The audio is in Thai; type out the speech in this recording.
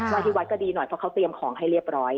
ที่วัดก็ดีหน่อยเพราะเขาเตรียมของให้เรียบร้อย